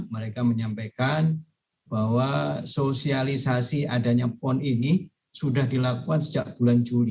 mereka menyampaikan bahwa sosialisasi adanya pon ini sudah dilakukan sejak bulan juli